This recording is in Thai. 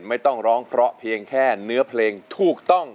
ไม่ต้องร้องเพราะเพียงแค่เนื้อเพลงถูกต้อง